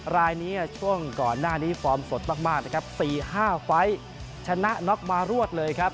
รายนี้ช่วงก่อนหน้านี้ฟอร์มสดมากนะครับ๔๕ไฟล์ชนะน็อกมารวดเลยครับ